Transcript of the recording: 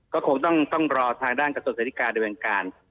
ก็คงต้องรอทางด้านกระทรวงสาธิกาดำเนินการ